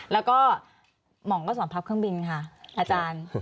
แล้วก็หมองก็สอนพับเครื่องบินค่ะอาจารย์